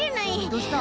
どうした？